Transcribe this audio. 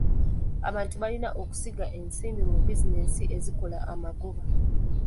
Abantu balina okusiga ensimbi mu bizinensi ezikola amagoba.